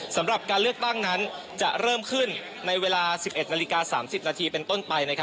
สำหรับการเลือกตั้งนั้นจะเริ่มขึ้นในเวลา๑๑นาฬิกา๓๐นาทีเป็นต้นไป